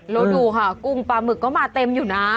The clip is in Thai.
แล้วดูค่ะกุ้งปลาหมึกก็มาเต็มอยู่นะ